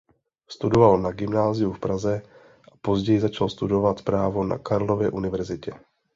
Studoval na gymnáziu v Praze a později začal studovat právo na Karlově univerzitě.